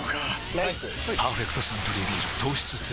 ライス「パーフェクトサントリービール糖質ゼロ」